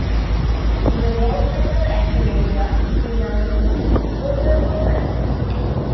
It is a volcanically active area, renowned for its geothermal productivity.